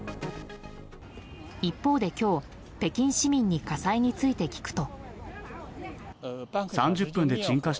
一方で今日、北京市民に火災について聞くと。